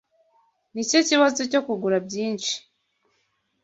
Nicyo kibazo cyo kugura byinshi.